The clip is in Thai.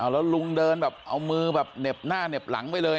แล้วลุงเดินแบบเอามือแบบเหน็บหน้าเหน็บหลังไปเลย